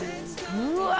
うわ